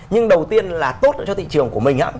nhưng đầu tiên là tốt cho thị trường của mình